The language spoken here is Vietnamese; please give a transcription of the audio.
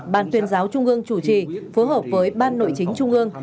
bàn tuyên giáo trung ương chủ trì phù hợp với ban nội chính trung ương